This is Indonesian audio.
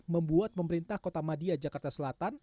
membuat pemerintah kota madia jakarta selatan